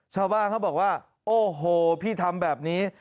ชาวบ้านเขาบอกว่าโอ้โหพี่ทำแบบนี้